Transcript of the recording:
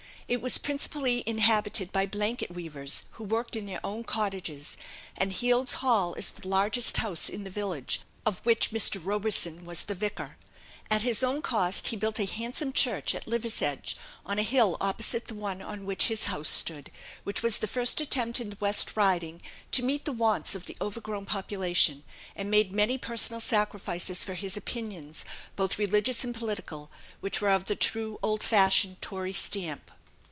It was principally inhabited by blanket weavers, who worked in their own cottages; and Heald's Hall is the largest house in the village, of which Mr. Roberson was the vicar. At his own cost, he built a handsome church at Liversedge, on a hill opposite the one on which his house stood, which was the first attempt in the West Riding to meet the wants of the overgrown population, and made many personal sacrifices for his opinions, both religious and political, which were of the true old fashioned Tory stamp.